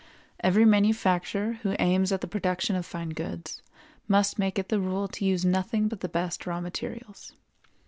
Every manufacturer who aims at the production of fine goods must make it the rule to use nothing but the best raw materials.